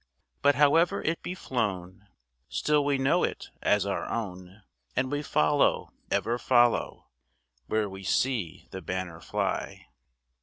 But however it be flown, Still we know it as our own, And we follow, ever follow, Where we see the banner fly.